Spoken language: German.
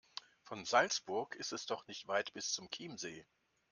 Von Salzburg ist es doch nicht weit bis zum Chiemsee.